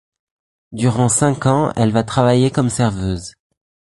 Durant cinq ans elle va travailler comme serveuse.